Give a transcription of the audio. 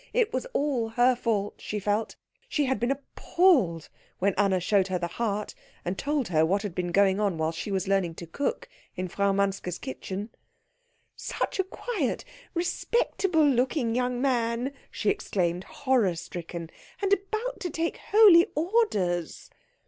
It was all her fault, she felt. She had been appalled when Anna showed her the heart and told her what had been going on while she was learning to cook in Frau Manske's kitchen. "Such a quiet, respectable looking young man!" she exclaimed, horror stricken. "And about to take holy orders!"